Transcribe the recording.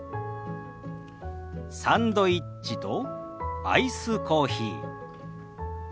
サンドイッチとアイスコーヒー。